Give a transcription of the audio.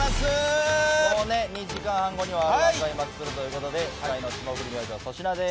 もう２時間半後にはＲ−１開幕ということで司会の霜降り明星・粗品です。